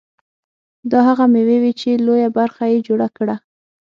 دا هغه مېوې وې چې لویه برخه یې جوړه کړه.